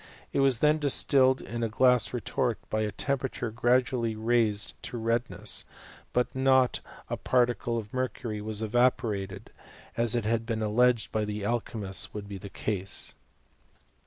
It was then dis tilled in a glass retort, by a temperature gradually raised to redness, but not a particle of mercury was evaporated, as it had been alleged by the alchymists would be the case.